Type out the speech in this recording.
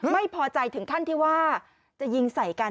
ไม่พอใจถึงขั้นที่ว่าจะยิงใส่กัน